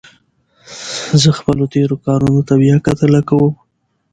زه خپلو تېرو کارونو ته بیا کتنه کوم.